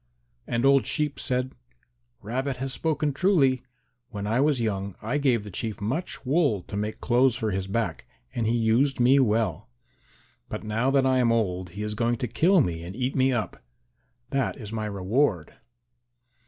And old Sheep said, "Rabbit has spoken truly. When I was young I gave the Chief much wool to make clothes for his back and he used me well. But now that I am old he is going to kill me and eat me up. That is my reward."